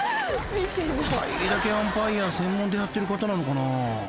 ［帰りだけアンパイア専門でやってる方なのかな？］